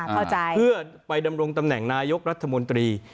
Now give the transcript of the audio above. เข้าใจเพื่อไปดำรงตำแหน่งนายกรัฐมนตรี